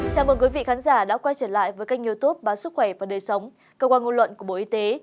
chào mừng quý vị khán giả đã quay trở lại với kênh youtube báo sức khỏe và đời sống cơ quan ngôn luận của bộ y tế